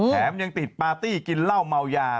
แถมยังติดปาร์ตี้กินเหล้าเมายา